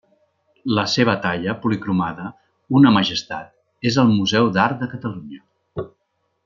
La seva talla policromada, una majestat, és al Museu d'Art de Catalunya.